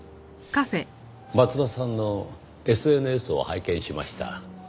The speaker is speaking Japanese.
松田さんのＳＮＳを拝見しました。